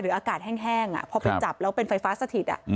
อากาศแห้งพอไปจับแล้วเป็นไฟฟ้าสถิต